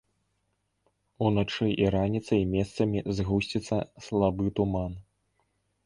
Уначы і раніцай месцамі згусціцца слабы туман.